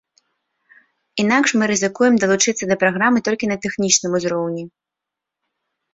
Інакш мы рызыкуем далучыцца да праграмы толькі на тэхнічным узроўні.